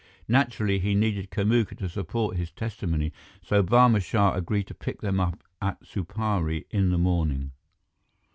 Naturally, he needed Kamuka to support his testimony, so Barma Shah agreed to pick them up at Supari in the morning.